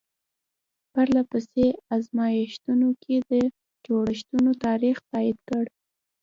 پرله پسې ازمایښتونو یې د جوړښتونو تاریخ تایید کړ.